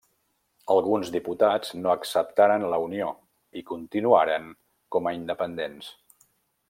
Alguns diputats no acceptaren la unió i continuaren com a independents.